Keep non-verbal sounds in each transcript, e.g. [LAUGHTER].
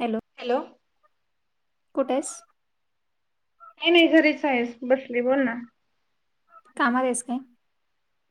Hello. Hello. कुठ yes? काही नाही घरीच आहेस. बसली बोल ना. कामातेस काय?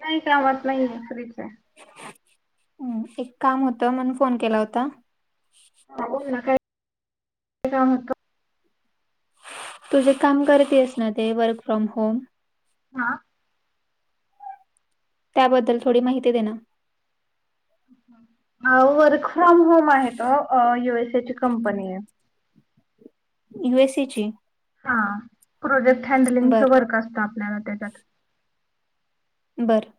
नाही कामात नाहीये फ्री चे. हम्म. एक काम होत. म्हणून फोन केला होता. हा बोल ना. काय काम होत? तु जे काम करतीयेस ना ते. Work from home. हा. त्याबद्दल थोडी माहिती देना. अहो वर्क फ्रॉम होम आहे तो. यु एस ए ची कंपनीये. यु एस ए ची? हा. प्रोजेक्ट हँडलिंगचं बर वर्क असतं आपल्याला त्याच्यात. बरं.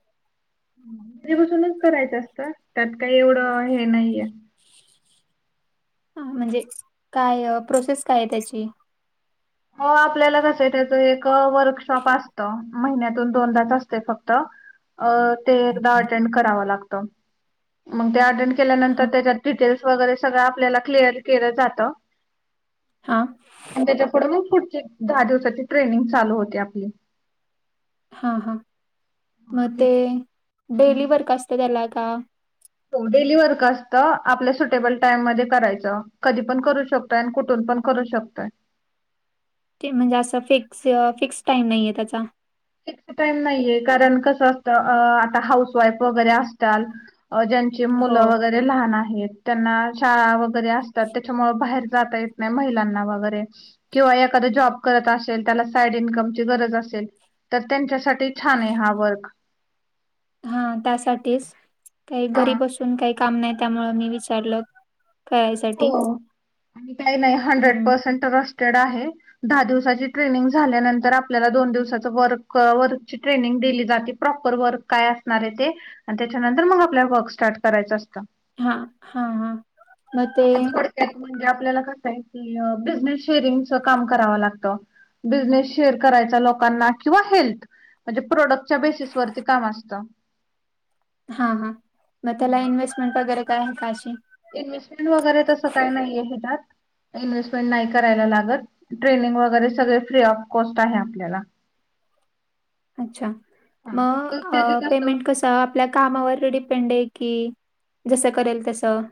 घरी बसूनच करायचं असतं. त्यात काही एवढं हे नाहीये. हा म्हणजे काय प्रोसेस काये त्याची? हो आपल्याला कसंये, त्याचं एक वर्कशॉप असतं. महिन्यातून दोनदाच असते फक्त. ते एकदा अटेंड करावं लागतं. मग ते अटेंड हा केल्यानंतर त्याच्या डिटेल्स वगैरे सगळं आपल्याला क्लिअर केलं जातं. हा. आणि त्याच्या पुुढं मग पुढची दहा दिवसाची ट्रेनिंग चालू होते आपली. हा हा. मग ते डेली वर्क असत त्याला का? हो डेली वर्क असत. आपल्या सुटेबल टाइम मध्ये करायचं. कधी पण करू शक तान कुठून पण करू शकताय. ते म्हणजे असं फिक्स फिक्स टाइम नाहीये त्याचा? फिक्स टाईम नाहीेये. कारण कस असत आता हाऊस वाईफ वगैरे असत्याल. जान चे हो मुलं वगैरे लहान आहेत. त्यांना शाळा वगैरे असतात. त्याच्यामुळ बाहेर जाता येत नाही. महिलांना वगैरे. किंवा एखादं जॉब करत असेल. त्याला साईड इन्कमची गरज असेल. तर त्यांच्यासाठी छाने हा वर्क. हा त्यासाठीच. काही हा घरी बसून काही काम नाही. त्यामुळे मी विचारलं. करायसाठी, हो. आणि काही नाही हंड्रेड हम्म पर्सेंट टॢस्टेड आहे. दहा दिवसाची ट्रेनिंग झाल्यानंतर, आपल्याला दोन दिवसाच व वर्कची ट्रेनिंग दिली जाते. प्रॉपर वर्क काय असणारे ते. आणि त्याच्यानंतर मग आपल्याला वर्क स्टार्ट करायचं असतं. हा. हा हा. मग ते थोडक्यात म्हणजे आपल्याला कसंये की, बिझनेस शेअरिंगच काम करावं लागतं. बिझनेस शेअर करायचा, लोकांना किंवा हेल्थ म्हणजे प्रोडक्टच्या बेसिसवररती काम असतं. हां हां, म हम्म. त्याला इन्व्हेस्टमेंट वगैरे काय आहे, का अशी? इन्व्हेस्टमेंट वगैरे तसं काही नाही ये, ह्याच्यात. इन्व्हेस्टमेंट नाही करायला लागत, ट्रेनिंग वगैरे सगळे फ्री ऑफ कॉस्ट आहे आपल्याला. अ्छा, हा, मं फक्त त्याचे अ पेयमेन्ट कसं? त आपल्या कामावर डिपेंड ये की, जसं करेल तसं.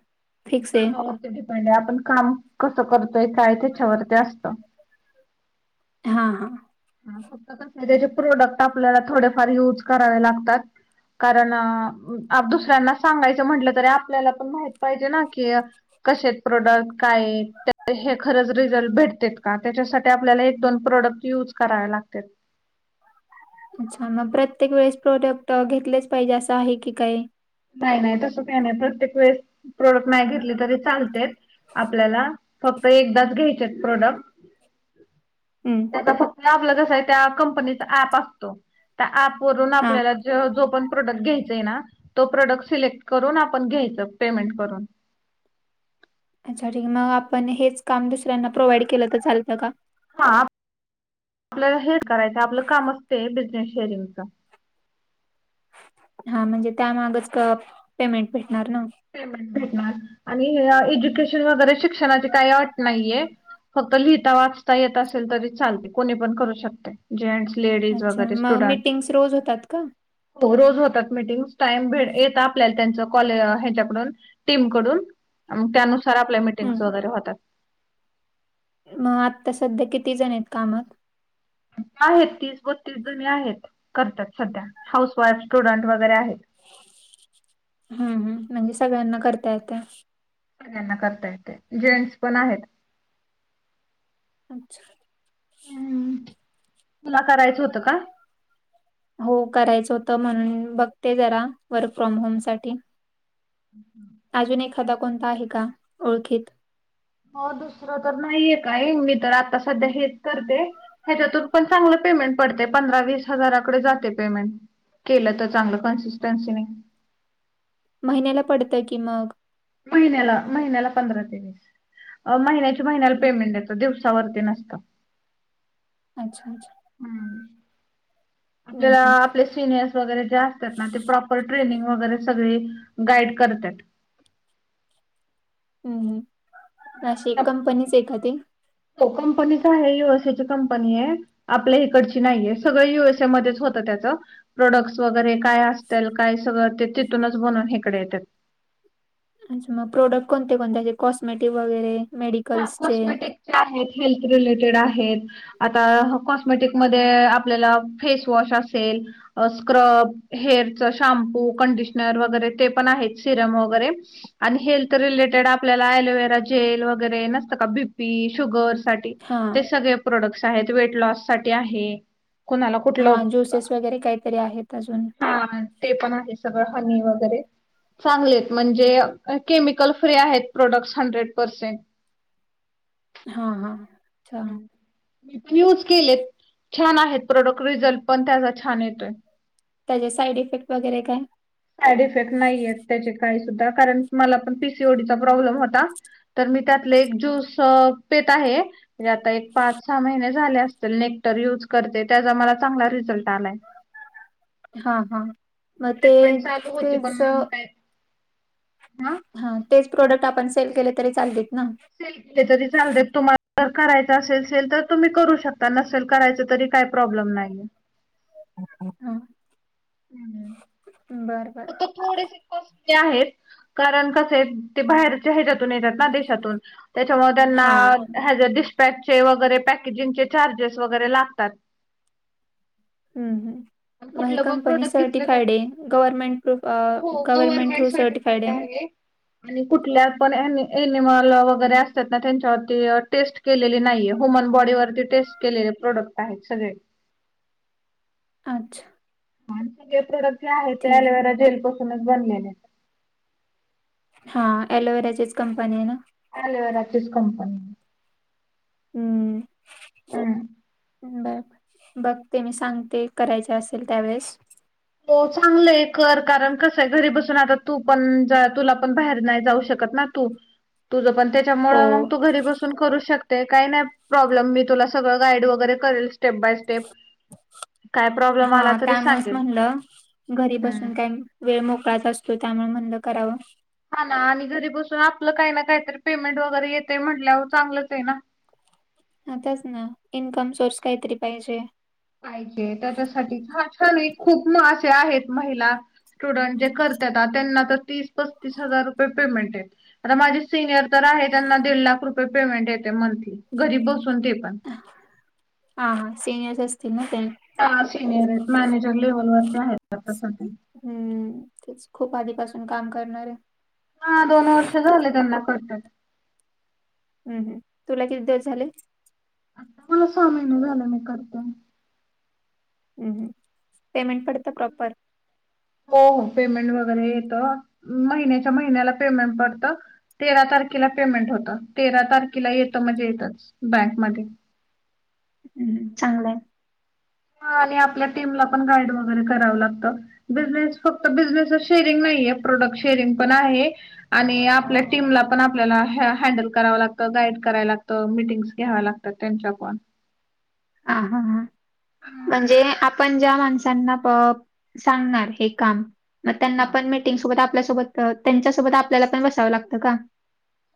फिक्स आहे? कामावरती डिपेंड ये, आपण काम कसं करतोय, काय त्याच्यावरती असतं. हां हां. हां फक्त कसं, त्याचे प्रोडक्ट आपल्याला, थोडफार युज करावे लागतात. कारण अ दुसऱ्यांना सांगायचं म्हटलं, तरी आपल्याला पण माहित पाहिजे ना, की कशेत प्रोडक्ट, काय ये, [UNINTELLIGIBLE] खरंच रिझल्ट भेटतेत का? त्याच्यासाठी आपल्याला एक- दोन प्रोडक्ट युज करावे लागत्यात. अच्छा, म प्रत्येक वेळेस प्रोडक्ट घेतलेच पाहिजे, असं आहे की, काही? नाही नाही, तसं काय नाही, प्रत्येक वेळेस प्रोडक्ट नाही घेतले, तरी चालते. आपल्याला फक्त एकदाच घ्यायचेत, प्रोडक्ट. हम्म. त्याचं फक्त आपलं कसं, त्या कंपनीचा ऍप असतो, त्या ऍप वरून हां. आपल्याला जो पण प्रोडक्ट घ्यायचा ये ना, तो प्रोडक्ट सिलेक्ट करून, आपण घ्यायच, पेमेंट करून. अच्छा ठीक, म आपण हेच काम दुसऱ्यांना प्रोव्हाइड केलं, तर चालतं का? हां, आपल्याला हे करायचं, आपलं काम असतय, बिजनेस शेअरिंगचा. हां, म्हणजे त्यामागच क पेमेंट भेटणार ना? पेमेंन्ट भेटणार आणि एज्युकेशन वगैरे, शिक्षणाची काही अट नहीये. फक्त लिहिता वाचता येत असेल तरी चालते, कोणी पण करू शकते. जेंट्स, लेडीज अच्छा वगैरे, मग स्टुडंट. मीटिंग्स रोज होतात का? हो रोज होतात मीटिंगस, टाइम भेट येत आपल्याला त्यांच कॉल डून, टीम कडून, त्यानुसार आपल्या मिटिंग् हं. वगैरे होतात. म आत्ता सध्या, किती जण येत कामात? आहेत, तीस-बत्तीस जणी आहेत, करतात सध्या, हाऊस वाईफ, स्टुडंट वगैरे आहेत. हम् हम, म्हणजे सगळ्यांना करता येतं. सगळ्यांना करता येतेय, जेंट्स पण आहेत. अच्छा. हम्म, तुला करायचं होतं का? हो करायचं होतं, म्हणून बघते जरा, वर्क फ्रॉम होम साठी. हम् हम. अजून एखादा कोणता आहे का, ओळखीत? हो दुसरं तर नाहीये काहीं, मी तर आता सध्या हेच करते. ह्याच्यातून पण चांगलं पेमेंट पडतय, पंधरा-वीस हजाराकडे जातय पेमेंट. केलं, तर चांगलं कन्सिस्टन्सीने. महिन्याला पडतं की, मग. महिन्याला-महिन्याला पंधरा ते वीस. अ महिन्याच्या-महिन्याला पेमेंट येतो, दिवसावरती नसतं. अच्छा-च्छा. हम्म, हम्म आपल्याला, हम्म आपले सिनयर्स वगैरे जे असतात ना, ते प्रॉपर ट्रेनिंग, वगैरे सगळी गाईड करतात. हम्म हम्म. अशी कंपनीचे का ती? हो कंपनीच आहे. युएसएची कंपनीये. आपल्या इकडची नाहीये. सगळं युएसए मध्येच होतं त्याच. प्रोडक्ट वगैरे काय असतील काय सगळं. ते तिथूनच बनून हिकडे येतात. अच्छा मग प्रोडक्ट कोणते कोणत्याचे. कॉस्मेटिक वगैरे. मेडिकल्सचे. ते आहेत. हेल्थ रिलेटेड आहेत. आता कॉस्मेटिकमध्ये आपल्याला फेसवॉश असेल. स्क्रब, हेअरच शॅम्पू, कंडिशनर वगैरे ते पण आहेत. सिरम वगैरे. आणि हेल्थ रिलेटेड आपल्याला एलोवेरा जेल वगैरे नसते का? बीपी शुगरसाठी हा ते सगळे प्रोडक्ट्स आहेत. वेट लॉस साठी आहे. कुणाला कुठलं, हा ज्युसेस वगैरे काहीतरी आहेत अजून हा. ते पण आहे. सगळं हनी वगैरे. चांगलेत. म्हणजे केमिकल फ्री आहेत. Products hundred percent. हा हा. अच्छा मी पण युज केलेत. छान आहेत प्रोडक्ट. रिझल्ट पण त्याचा छान येतोय. त्याचे साईड इफेक्ट वगैरे काय? साईड इफेक्ट नाहीय त्याचे काही सुद्धा. कारण मला पण पीसीओडीचा प्रॉब्लेम होता. तर मी त्यातले एक ज्यूस पीत आहे. आता एक पाच सहा महिन् झाले असतील नेक्टर युज करतेय. त्या मला चांगला रिझल्ट आलाय. हा हा मग ते ट्रीटमेंट चालू होती. पण तेच म काय आ. हा तेच प्रोडक्ट आपण सेल केले तरी चालतत ना. सेल केले तरी चालतात. तुम्हा जर करायचं असेल सेल तर तुम्ही करू शकता. नसेल करायच तरी काही प्रॉब्लेम नाहीय. [INAUDIBLE] ह. हम्म हम्म. बरं बरं. फक्त थोडेसे कसली आहेत. कारण कसेये. ते बाहेरच्या हच्यातून येतात ना. देशातून. त्याच्यामु त्यांना हा हज डिशपॅच चे वगैरे. पॅकेजिंगचे चार्जेस वगैरे लागतात. हम्म हम्म. म ही कुठलं पण कंपनी प्रोडक्ट घेतलं तर सर्टिफाईडे. गव्हर्नमेंट प्रूफ हो गवर्नमेंट गव्हर्नमेंट थ्रू सर्टिफाईड सर्टिफाइडे ना? आहे. आणि कुठल्या पण एनि एनिमल वगैरे असतात ना. त्यांच्यावरती टेस्ट केलेली नाहीये. ह्युमन बॉडी वरती टेस्ट केलेले प्रोडक्ट आहेत सगळे. अच्छा. आणि सगळे प्रोडक्ट जे आहेत. ते ठीक आहे अलोवेरा जेल पासूनच बनलेले. हा लोवेराचीच कंपनीय ना? एलोवेरा चीच कंपनीय. हम्म. हम्म. बर बघ ते मी सांगते. करायचे असेल त्यावेेळेस. हो चांगलंय कर. कारण कसय, घरी बसून आता तू पण जा तुला पण बाहेर नाही जाऊ शकत ना. तू. तुझ पण हो त्याच्यामुळे मग तू घरी बसून करू शक ते. काही नाही प्रॉब्लेम. मी तुला सगळं गाईड वगैरे करेल. Step by step. काय प्रॉब्लेम आला हा तरी त्यामुळेच सांगेल. म्हणलं घरी हम्म बसून काय वेळ मोकळाचा असतो त्यामुळ म्हणलं करावं. हा ना आणि घरी बसून आपलं काय ना कायतरी पेमेंट वगैरे येतय म्हटल्यावर चांगलंच आय ना. हा तेच ना इन्कम सोर्स काहीतरी पाहिजे. पाहिजे त्याच्यासाठी हा छान खूप असे आहेत महिला स्टुडंट जे करत्यात त्यांना तर तीस पस्तीस हजार रुपये पेमेंट येते. आता माझी सिनियर तर आहे त्यांना दीड लाख रुपये पेमेंट येतय मंथली घरी बसून ते पण. हा सीनियर्स असतील ना ते. ह सिनियर आयत मॅनेजर लेव्हल वरती आहेत आत्ता सध्या. हम्म तेच खूप आधीपासून काम करणाऱ्या. हा दोन वर्ष झाले त्यांना करत्यात. हम्म हम्म तुला किती दिवस झाले? आता मला सहा महिना झाल मी करतेया. हम् हम् पेमेंट पडत प्रॉपर? हो हो पेमेंट वगैरे येत महिन्याच्या महिन्याला पेमेंट पडतं. तेरा तारखेला पेमेंट होत तेरा तारखेला येतं म्हणजे येतच बँकमध्ये. हम्म चांगलंय. हा आणि आपल्या टीमला पण गाईड वगैरे करावं लागतं. बिझनेस फक्त बिझनेसच शेअरिंग नाहीये प्रोडक्ट शेअरिंग पण आहे. आणि आपल्या टीमला पण आपल्याला ह्या - हँडल करावं लागतं गाईड करावं लागतं मिटिंगस घ्याव लाग तात त्यांच्या पण. हा हा म्हणजे आपण ज्या माणसांना प सांगणार हे काम म त्यांना पण मीटिंग सोबत आपल्यासोबत त्यांच्यासोबत आपल्याला पण बसावं लागतं का?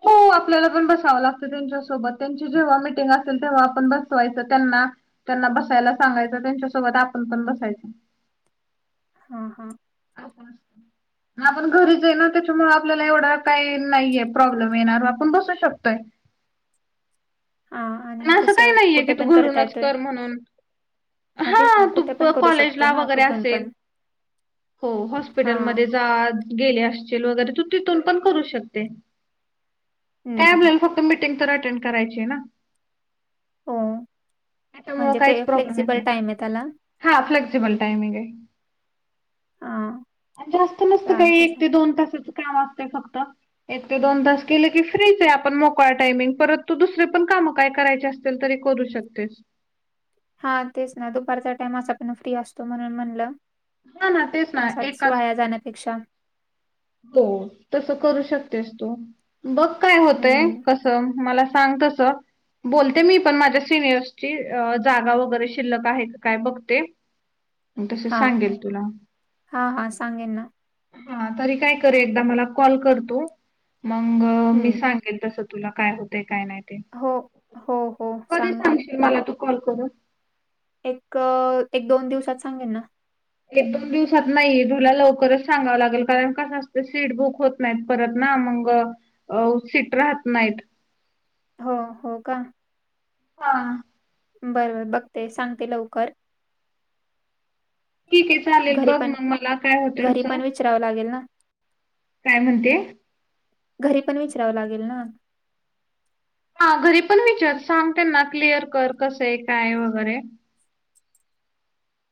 हो आपल्याला पण बसावं लागतं त्यांच्यासोबत त्यांची जेव्हा मिटिंग असेल तेव्हा आपण बसवायचं त्यांना. त्यांना बसायला सांगायचं त्यांच्यासोबत आपण पण बसायचं. हा हा. [INAUDIBLE] आपण घरीच आय ना त्याच्यामुळे आपल्याला एवढा काही नाहीये प्रॉब्लेम येणार आपण बसू शकतोय. हा अन् आणि असं काय कसं नाहीये की कुठे तू पण करता घरूनच येतोय. कर म्हणून. हा तेच ना कुठे पण तू करू कॉलेज शकतो ला ना वगैरे कुठून असेल पण. हो हा. हॉस्पिटलमध्ये जा. गेले असशील वगैरे तू तिथून पण करू शकते. हं, काय हं. आपल्याला फक्त मीटिंग तर अटेंड करायची आय ना. हो म्हणजे फे- फ्लेक्सिबल टाइम आय त्याला. हा फ्लेक्सिबल टाइमिंग आय. हा. आणि जास्त नसतं काय चालतंय एक चालतंय. ते दोन तासाच काम असतं फक्त. एक ते दोन तास केले की फ्रीच आय आपण मोकोळा टायमिंग परत तू दुसर पण काम काय करायचे असतील तरी करू शकतेस. हा तेच ना दुपारचा टाइम असा पण फ्री असतो म्हणून म्हणलं हां ना तेच ना आसाच एकाच वाया जाण्यापेक्षा हो तस करू शकतेस तू. बघ काय होतंय हं. कस मला सांग तस. बोलते मी पण माझ्या सिनियर्सची जागा वगैरे शिल्लक आहेत काय बघते. तस हा. सांगेल तुला. हा, हा सांगेन ना. हा तरी काय करू एकदा मला कॉल कर तू मग मी हं. सांग तस तुला काय होते काय नाही ते हो हो हो कधी सांगेन सांगशील मला तू कॉल करून एक, एक दोन दिवसात सांगेन ना एक दोन दिवसात नाहीे तुला लवकरच सांगावं लागेल कारण कसं असतं सीट बुक होत नाही परत ना मंग सीट राहत नाहीत हो, हो का हा बर, बर बघते सांगते लवकर ठीक आहे चालेल घरी बघ पण मग मला काय घरी होतं पण विचारावं लागेल ना काय म्हणते घरी पण विचरावं लागेल ना हा घरी पण विचार सांग त्यांना क्लिअर कर कसं आहे काय वगैरे